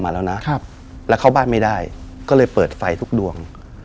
แล้วเข้าบ้านไม่ได้ก็เลยเปิดไฟทุกดวง